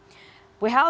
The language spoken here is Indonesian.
who sudah menyarankan